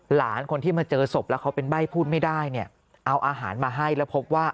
หลานคนที่มาเจอศพแล้วเขาเป็นใบ้พูดไม่ได้เนี่ยเอาอาหารมาให้แล้วพบว่า